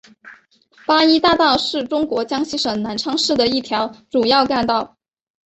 八一大道是中国江西省南昌市的一条主要干道。